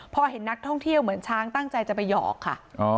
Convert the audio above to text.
พอเห็นนักท่องเที่ยวเหมือนช้างตั้งใจจะไปหยอกค่ะ